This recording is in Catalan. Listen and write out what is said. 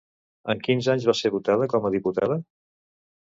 En quins anys va ser votada com a diputada?